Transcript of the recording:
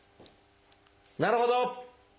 「なるほど」。